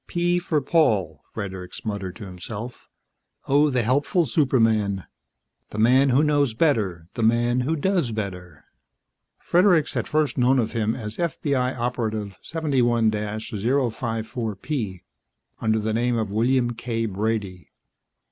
"P for Paul," Fredericks muttered to himself. "Oh, the helpful superman, the man who knows better, the man who does better." Fredericks had first known of him as FBI Operative 71 054P, under the name of William K. Brady.